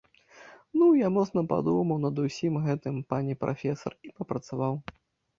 Ну, я моцна падумаў над усім гэтым, пане прафесар, і папрацаваў.